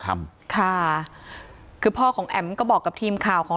ไม่มีไม่มีไม่มีไม่มี